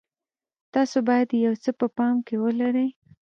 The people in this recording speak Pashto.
تاسو باید یو څه په پام کې ولرئ.